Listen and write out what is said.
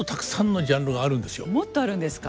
もっとあるんですか。